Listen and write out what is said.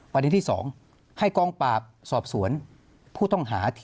ประเด็นที่๒ให้กองปราบสอบสวนผู้ต้องหา